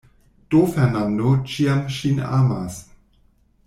Do Fernando ĉiam ŝin amas.